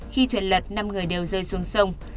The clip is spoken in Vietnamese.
khi thuyền lật năm người đều rơi xuống sông